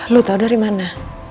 lo tau dari mana